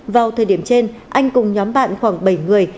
vào thời điểm trên anh cùng nhóm bạn khoảng bảy người